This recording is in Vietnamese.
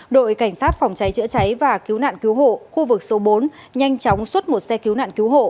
đội cảnh sát phòng cháy chữa cháy và cứu nạn cứu hộ khu vực số bốn nhanh chóng xuất một xe cứu nạn cứu hộ